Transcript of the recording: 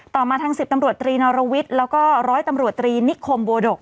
ต่อมาทาง๑๐ตำรวจตรีนรวิทย์แล้วก็ร้อยตำรวจตรีนิคมบัวดก